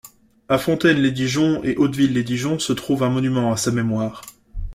À Fontaine-lès-Dijon et Hauteville-lès-Dijon se trouve un monument à sa mémoire.